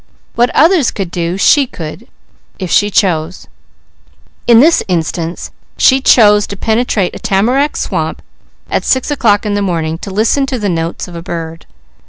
What others could do, she could, if she chose; in this instance she chose to penetrate a tamarack swamp at six o'clock in the morning, to listen to the notes of a bird.